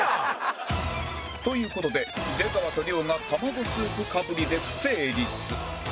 という事で出川と亮が玉子スープかぶりで不成立